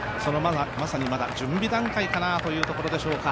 まさにまだその準備段階かなというところでしょうか。